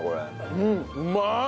うんうまっ！